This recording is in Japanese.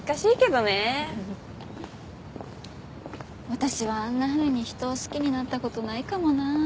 私はあんなふうに人を好きになったことないかもな。